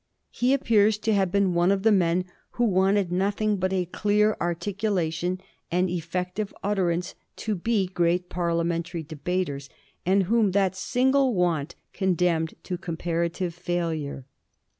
He appears to have been one of the men who wanted nothing but a clear articulation and effective utterance to be great Parliamentary debaters, and whom that single want condemned to comparative failure.